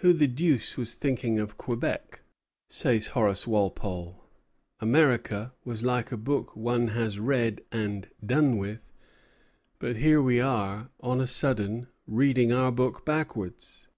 "Who the deuce was thinking of Quebec?" says Horace Walpole. "America was like a book one has read and done with; but here we are on a sudden reading our book backwards."